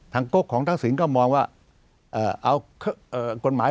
ทางกกของทักศิลป์ก็มองว่าเอ่อเอาให้